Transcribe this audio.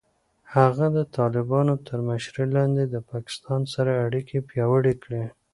هغه د طالبانو تر مشرۍ لاندې د پاکستان سره اړیکې پیاوړې کړې.